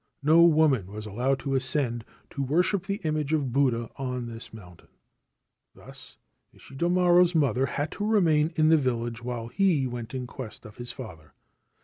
No woman was allowed to ascend to worship the image of Buddha on this mountain. Thus Ishidomaro's mother had to remain in the village while he went in quest of his father.